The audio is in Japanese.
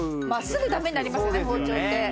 すぐダメになりますよね包丁って。